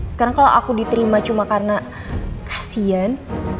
sekarang kalau aku diterima cuma karena kasian